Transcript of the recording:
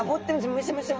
むしゃむしゃ。